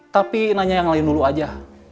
tapi nanya yang lain dulu aja